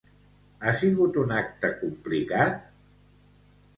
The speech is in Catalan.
Ha sigut un acte complicat?